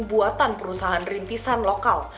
buatan perusahaan rintisan lokal